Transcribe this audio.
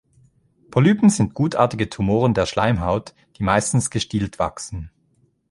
Polypen sind gutartige Tumoren der Schleimhaut, die meistens gestielt wachsen.